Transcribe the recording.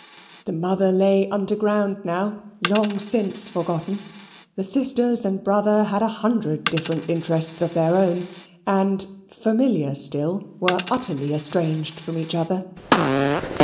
The mother lay underground now, long since forgotten the sisters and brother had a hundred different interests of their own, and, familiar still, were utterly estranged from each other.